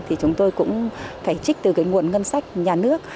thì chúng tôi cũng phải trích từ cái nguồn ngân sách nhà nước